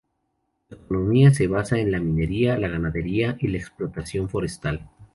Su economía se basa en la minería, la ganadería y la explotación forestal.